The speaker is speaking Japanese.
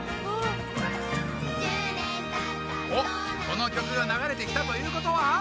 おっこのきょくがながれてきたということは！